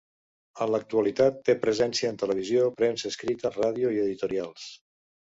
En l'actualitat té presència en televisió, premsa escrita, ràdio i editorials.